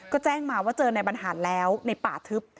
ก็แจ้งมาว่าเจอในบรรหารแล้วในป่าทึบ